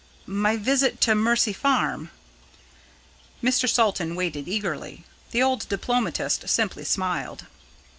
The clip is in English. "My visit to Mercy Farm." Mr. Salton waited eagerly. The old diplomatist simply smiled.